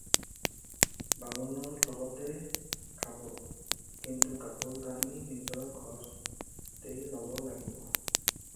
বামুণৰ লগতে খাব, কিন্তু কাপোৰ-কানি নিজৰ খৰচতে ল'ব লাগিব।